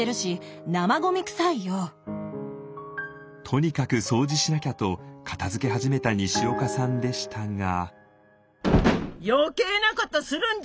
とにかく掃除しなきゃと片づけ始めたにしおかさんでしたが。